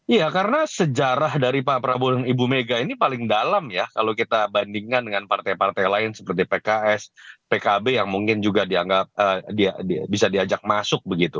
iya karena sejarah dari pak prabowo dan ibu mega ini paling dalam ya kalau kita bandingkan dengan partai partai lain seperti pks pkb yang mungkin juga dianggap bisa diajak masuk begitu